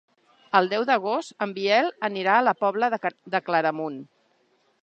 El deu d'agost en Biel anirà a la Pobla de Claramunt.